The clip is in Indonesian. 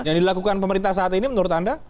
yang dilakukan pemerintah saat ini menurut anda